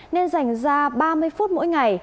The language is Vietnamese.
nên dành ra ba mươi phút mỗi ngày